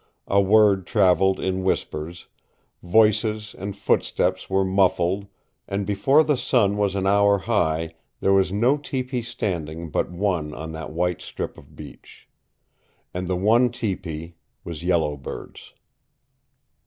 A word traveled in whispers, voices and footsteps were muffled and before the sun was an hour high there was no tepee standing but one on that white strip of beach. And the one tepee was Yellow Bird's.